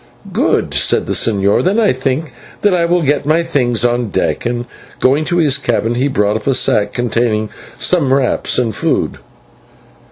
"Good," said the señor, "then I think that I will get my things on deck," and going to his cabin he brought up a sack containing some wraps and food.